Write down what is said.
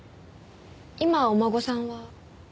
今お孫さんは？